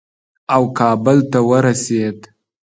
او کابل ته ورسېد.